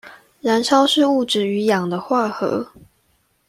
燃燒是物質與氧的化合